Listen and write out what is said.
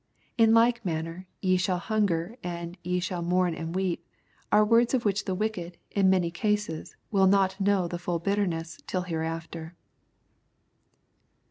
In like manner: " ye shall hunger," and " ye shall rnoum and weep," are words of which the wicked, in mauy cases, wiU not know the full bitter ness till hereafter.